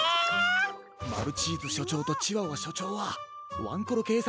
マルチーズしょちょうとチワワしょちょうはワンコロけいさつ